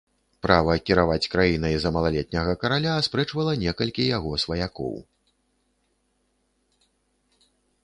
Права кіраваць краінай за малалетняга караля аспрэчвала некалькі яго сваякоў.